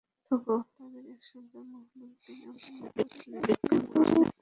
তাদের এক সন্তান মুহাম্মাদ বিন আবু বকর ছিলেন বিখ্যাত আলেম ও যোদ্ধা।